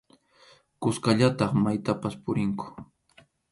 Kuskallataq maytapas purinku.